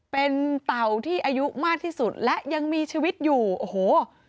เป็นเต่าที่อายุมากที่สุดและยังมีชีวิตอยู่โอ้โห